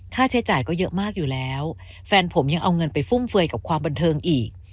ค่าใช้จ่ายก็เยอะมากอยู่แล้วแฟนผมยังเอาเงินไปฟุ่มเฟือยกับความบันเทิงอีก